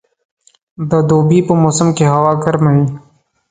د دوبي په موسم کښي هوا ګرمه وي.